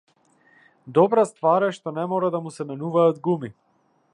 Добра ствар е што не мора да му се менуваат гуми.